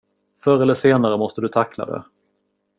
Förr eller senare måste du tackla det.